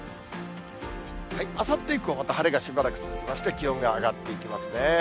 あさって以降はまた晴れがしばらく続きまして、気温が上がっていきますね。